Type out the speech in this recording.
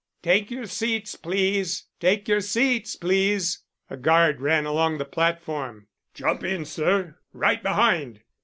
"Take your seats, please! Take your seats, please!" A guard ran along the platform. "Jump in, sir. Right behind!"